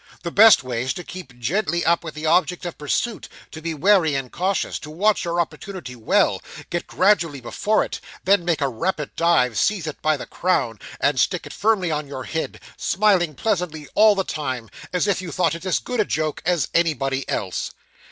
The best way is to keep gently up with the object of pursuit, to be wary and cautious, to watch your opportunity well, get gradually before it, then make a rapid dive, seize it by the crown, and stick it firmly on your head; smiling pleasantly all the time, as if you thought it as good a joke as anybody else.